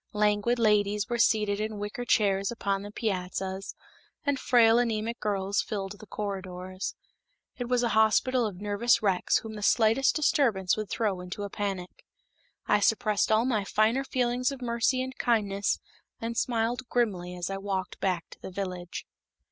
Languid ladies were seated in wicker chairs upon the piazzas, and frail anemic girls filled the corridors. It was a hospital of nervous wrecks whom the slightest disturbance would throw into a panic. I suppressed all my finer feelings of mercy and kindness and smiled grimly as I walked back to the village.